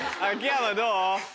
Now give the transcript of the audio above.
秋山どう？